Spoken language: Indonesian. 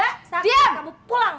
udah sakti kamu pulang